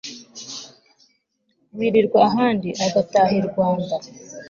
wirirwa ahandi agataha irwanda